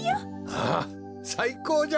ああさいこうじゃ！